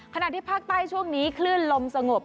ขณะที่ภาคใต้ช่วงนี้คลื่นลมสงบ